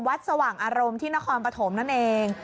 สว่างอารมณ์ที่นครปฐมนั่นเอง